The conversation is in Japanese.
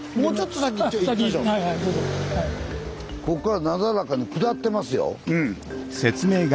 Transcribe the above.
ここからなだらかに下ってますよ。